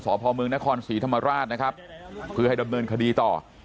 พ่อเมืองนครศรีธรรมราชนะครับเพื่อให้ดำเนินคดีต่อ